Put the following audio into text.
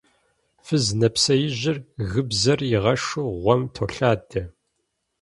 Фыз нэпсеижьыр гыбзэр игъэшу гъуэм толъадэ.